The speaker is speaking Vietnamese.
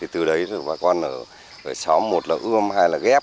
từ đấy rồi bà con ở xóm một là ươm hai là ghép